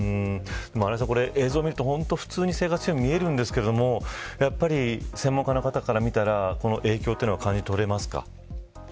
映像を見ると、普通に生活しているように見えるんですけど専門家の方から見たらこの影響は感じ取れますか。